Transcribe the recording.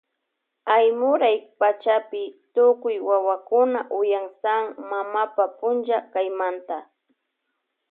Aymuray pachapi tukuy wawakuna uyansan mamapa punlla kaymanta.